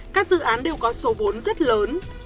các dự án đều có số vốn rất lớn